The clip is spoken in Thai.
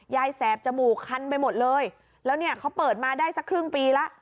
แสบจมูกคันไปหมดเลยแล้วเนี่ยเขาเปิดมาได้สักครึ่งปีแล้ว